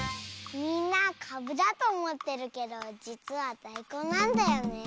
「みんなかぶだとおもってるけどじつはだいこんなんだよね」。